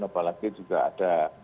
apalagi juga ada